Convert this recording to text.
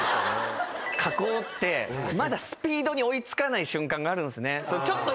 加工ってまだスピードに追い付かない瞬間があるんすね。